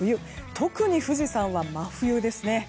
特に富士山は真冬ですね。